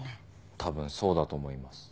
たぶんそうだと思います。